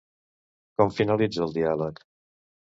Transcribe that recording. Com finalitza el diàleg?